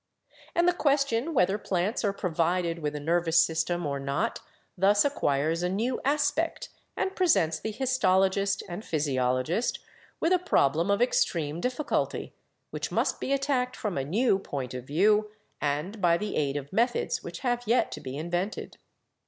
And the question whether plants are provided with a nervous system or not thus acquires a new aspect and presents the histologist and physiologist with a problem of extreme difficulty, which must be attacked from a new point of view and by the aid of methods which have yet to be invented.